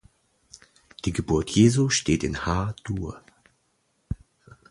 Die Geburt Jesu steht in H-Dur.